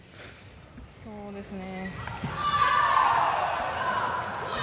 そうですね。